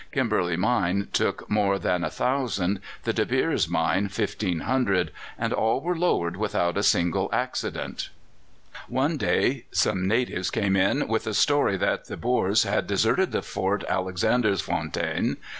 Kimberley mine took more than 1,000, the De Beers mine 1,500, and all were lowered without a single accident. One day some natives came in with a story that the Boers had deserted the fort Alexandersfontein.